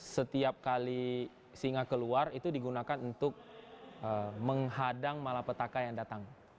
setiap kali singa keluar itu digunakan untuk menghadang malapetaka yang datang